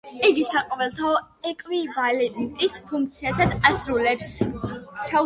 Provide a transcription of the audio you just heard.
იგი საყოველთაო ეკვივალენტის ფუნქციასაც ასრულებს.